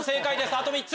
あと３つ！